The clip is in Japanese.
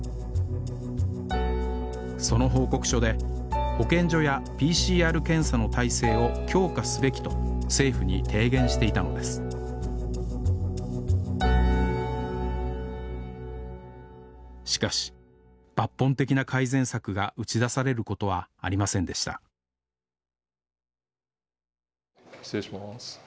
その報告書で保健所やＰＣＲ検査の体制を強化すべきと政府に提言していたのですしかし抜本的な改善策が打ち出されることはありませんでした失礼します。